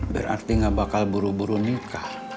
berarti gak bakal buru buru nikah